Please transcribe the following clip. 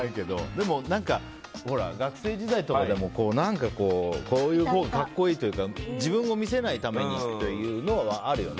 でも、学生時代とかでもこういうほうが格好いいというか自分を見せないためにっていうのはあるよね。